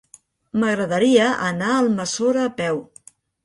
M'agradaria anar a Almassora a peu.